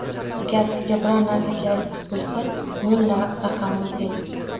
Agar sizga biror narsa kerak bo'lsa, nol raqamini tering.